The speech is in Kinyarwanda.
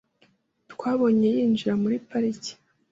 Twabonye yinjira muri parike .